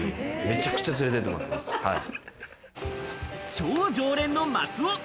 超常連の松尾。